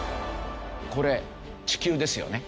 これ地球ですよね。